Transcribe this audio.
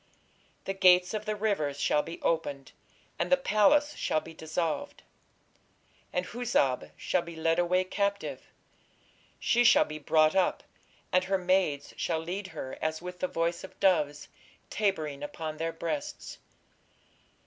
The gates of the rivers shall be opened, and the palace shall be dissolved. And Huzzab shall be led away captive, she shall be brought up, and her maids shall lead her as with the voice of doves, tabering upon their breasts....